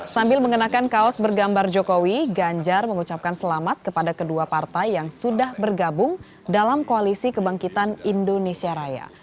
sambil mengenakan kaos bergambar jokowi ganjar mengucapkan selamat kepada kedua partai yang sudah bergabung dalam koalisi kebangkitan indonesia raya